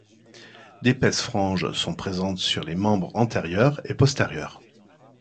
D'épaisses franges sont présentes sur les membres antérieurs et postérieurs.